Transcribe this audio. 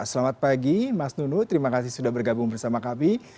selamat pagi mas nunu terima kasih sudah bergabung bersama kami